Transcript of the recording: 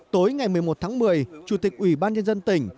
tối ngày một mươi một tháng một mươi chủ tịch ủy ban nhân dân tỉnh